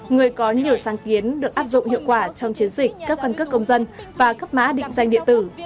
người có nhiều sáng kiến được áp dụng hiệu quả trong chiến dịch cấp căn cước công dân và cấp mã định danh điện tử